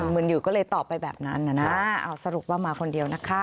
เหมือนอยู่ก็เลยตอบไปแบบนั้นนะเอาสรุปว่ามาคนเดียวนะคะ